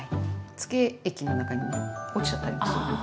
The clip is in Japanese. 漬け液の中に落ちちゃったりもするので。